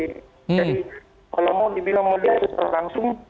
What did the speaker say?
jadi kalau mau dibilang mulia saya langsung